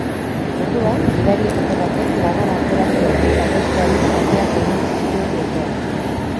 Orduan, gidarietako batek labana atera zuen eta besteari zauriak egin zizkion lepoan.